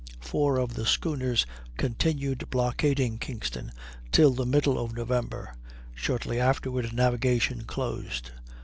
Four of the schooners continued blockading Kingston till the middle of November; shortly afterward navigation closed.